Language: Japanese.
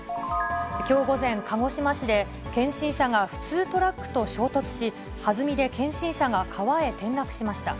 きょう午前、鹿児島市で、検診車が普通トラックと衝突し、はずみで検診車が川へ転落しました。